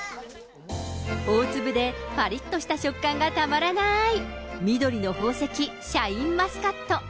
大粒でぱりっとした食感がたまらない、緑の宝石、シャインマスカット。